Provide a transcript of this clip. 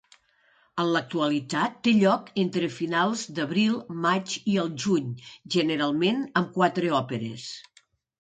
En l'actualitat té lloc entre finals d'abril, maig i el juny, generalment amb quatre òperes.